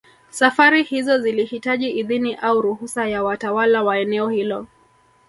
Safari hizo zilihitaji idhini au ruhusa ya watawala wa eneo hilo